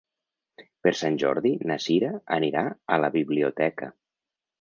Per Sant Jordi na Sira anirà a la biblioteca.